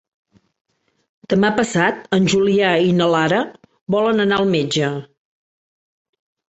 Demà passat en Julià i na Lara volen anar al metge.